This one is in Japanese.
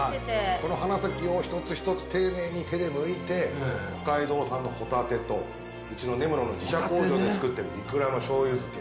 この花咲を一つ一つ丁寧に手で剥いて北海道産のほたてとうちの根室の自社工場で作ってるいくらの醤油漬け。